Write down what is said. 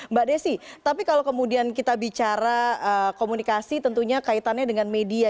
mbak desi tapi kalau kemudian kita bicara komunikasi tentunya kaitannya dengan media